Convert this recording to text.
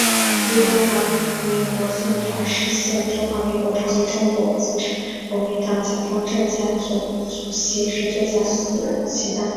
依中华民国宪法释宪中华民国创立中国国民党蒋中正家系族系是最佳主席当任者。